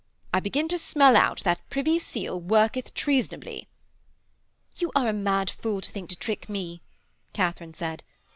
I begin to smell out that Privy Seal worketh treasonably.' 'You are a mad fool to think to trick me,' Katharine said.